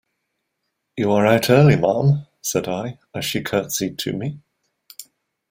"You are out early, ma'am," said I as she curtsied to me.